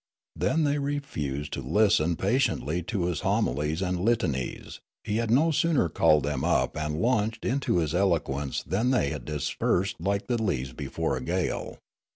Then the}' refused to listen patiently to his homilies and litanies; he had no sooner called them up and launched into his eloquence than they had dispersed like leaves before a gale.